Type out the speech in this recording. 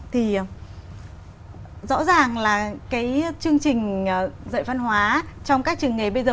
thì rõ ràng là cái chương trình dạy văn hóa trong các trường nghề bây giờ